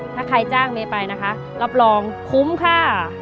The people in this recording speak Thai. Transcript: ถ้าใครจ้างเมย์ไปนะคะรับรองคุ้มค่ะ